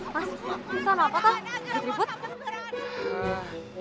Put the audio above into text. mas itu apa tuh